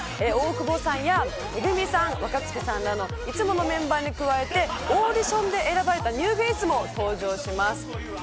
大久保さんやＭＥＧＵＭＩさん、若槻さんらのいつものメンバーに加えて、オーディションで選ばれたニューフェイスも登場します。